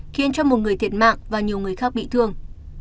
khiến cho một người thiệt mạng và nhiều người khác bị thương